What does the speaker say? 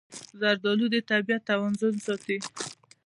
زردالو د طبیعت توازن ساتي.